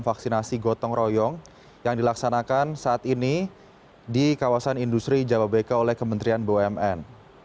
vaksinasi gotong royong yang dilaksanakan saat ini di kawasan industri jababeka oleh kementerian bumn